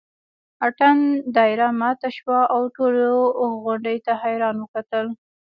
اتڼ دایره ماته شوه او ټولو غونډۍ ته حیران وکتل.